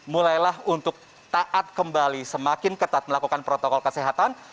mulailah untuk taat kembali semakin ketat melakukan protokol kesehatan